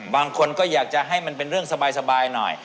บางคนก็อยากจะให้มันเป็นเรื่องสบายหน่อย